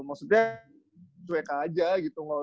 maksudnya cuek aja gitu